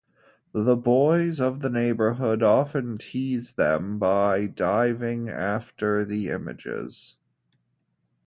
The boys of the neighborhood often tease them by diving after the images.